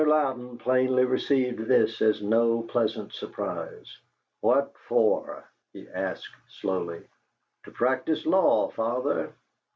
Louden plainly received this as no pleasant surprise. "What for?" he asked, slowly. "To practise law, father."